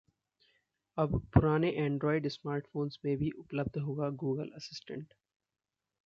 अब पुराने Android smartphones में भी उपलब्ध होगा गूगल असिस्टेंट